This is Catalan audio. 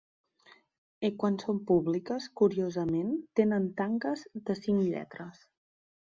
E Quan són públiques curiosament tenen tanques, de cinc lletres.